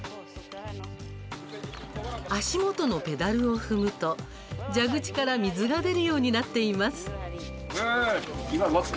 足元のペダルを踏むと、蛇口から水が出るようになっています。